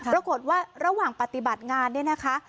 ปรากฏว่าระหว่างปฏิบัติงานนี่นะคะ